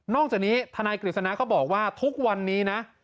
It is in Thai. จากนี้ทนายกฤษณะก็บอกว่าทุกวันนี้นะ